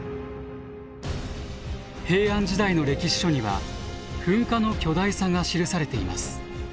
平安時代の歴史書には噴火の巨大さが記されています。